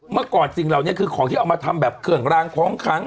เมื่อก่อนสิ่งเหล่านี้คือของที่เอามาทำแบบเครื่องรางของขัง